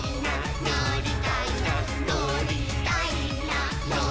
「のりたいなのりたいな」